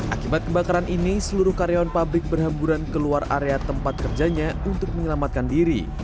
akibat kebakaran ini seluruh karyawan pabrik berhamburan keluar area tempat kerjanya untuk menyelamatkan diri